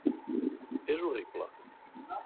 És horrible.